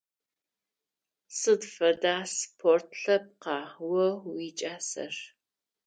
Сыд фэдэ спорт лъэпкъа о уикӀасэр?